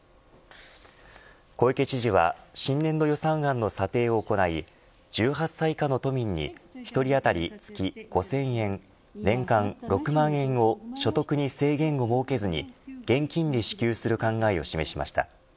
小池知事は新年度予算案の査定を行い１８歳以下の都民に一人当たり月５０００円年間６万円を所得に制限を設けずに現金で支給する考えを示しました。